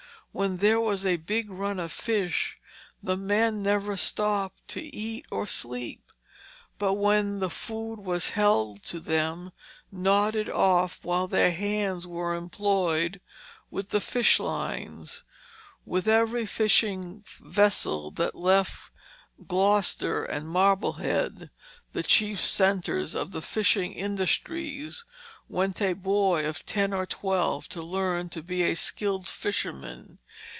When there was a big run of fish, the men never stopped to eat or sleep, but when food was held to them gnawed it off while their hands were employed with the fish lines. With every fishing vessel that left Gloucester and Marblehead, the chief centres of the fishing industries, went a boy of ten or twelve to learn to be a skilled fisherman.